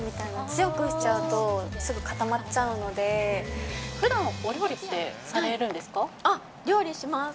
強くしちゃうと、すぐ固まっちゃふだんは、お料理ってされる料理します。